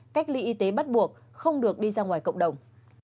cách ly y tế bắt buộc không được đi ra ngoài cộng đồng